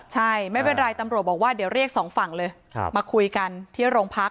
ใช่ไม่เป็นไรตำรวจบอกว่าเดี๋ยวเรียกสองฝั่งเลยมาคุยกันที่โรงพัก